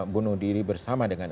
bunuh diri bersama dengan